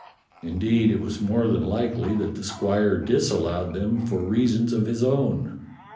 Indeed, it was more than likely that the squire disallowed them for reasons of his own.